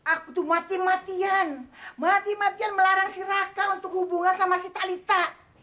aku tuh mati matian mati matian melarang si raka untuk hubungan sama si talita